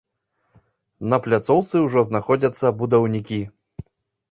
На пляцоўцы ўжо знаходзяцца будаўнікі.